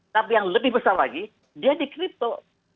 tapi yang lebih besar lagi dia di crypto